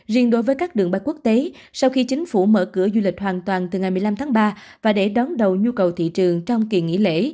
riêng đối với các đường bay quốc tế sau khi chính phủ mở cửa du lịch hoàn toàn từ ngày một mươi năm tháng ba và để đón đầu nhu cầu thị trường trong kỳ nghỉ lễ